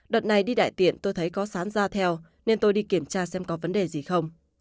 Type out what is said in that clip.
đợt này đi đại tiện tôi thấy có sán ra theo nên tôi đi kiểm tra xem có vấn đề gì không